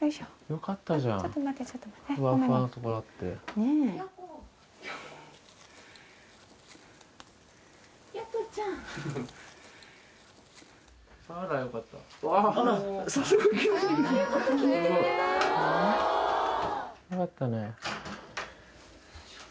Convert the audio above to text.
よかったね。